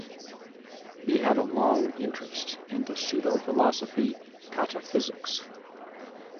He had a long interest in the pseudo-philosophy 'pataphysics.